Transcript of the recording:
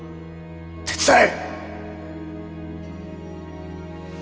手伝え！